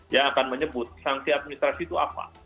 yang akan menyebut sanksi administrasi itu apa